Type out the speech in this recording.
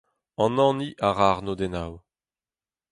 An hini a ra arnodennoù.